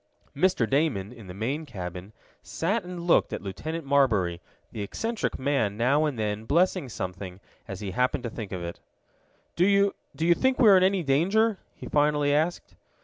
Mr. Damon, in the main cabin, sat and looked at Lieutenant Marbury, the eccentric man now and then blessing something as he happened to think of it. "Do you do you think we are in any danger?" he finally asked.